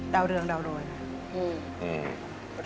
เดาเรืองดาวโรย